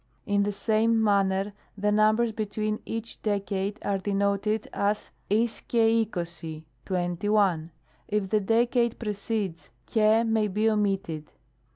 In the same manner the numbers between each decade are denoted, as th xai tX^oaty " twenty one." If the decade precedes, tcuI may be omitted.